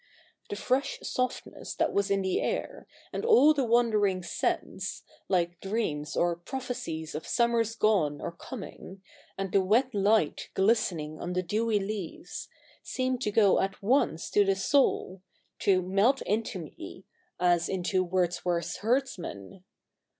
The fresh softness that was in the air, and all the wandering scents, like dreams or prophecies of summers gone or coming, and the wet light glistening on the dewy leaves, seemed to go at once to the soul — to " melt into me," as into Wordsworth's herdsman.